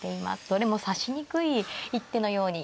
どれも指しにくい一手のように。